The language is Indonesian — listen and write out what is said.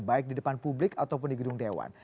baik di depan publik ataupun di gedung dewan